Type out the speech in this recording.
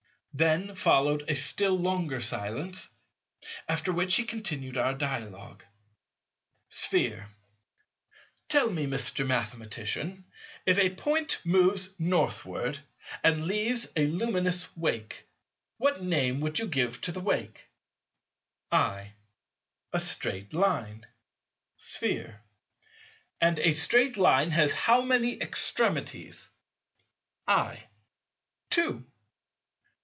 Then followed a still longer silence, after which he continued our dialogue. Sphere. Tell me, Mr. Mathematician; if a Point moves Northward, and leaves a luminous wake, what name would you give to the wake? I. A straight Line. Sphere. And a straight Line has how many extremities? I. Two.